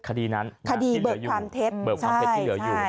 คดีนั้นคดีเบิกความเท็จที่เหลืออยู่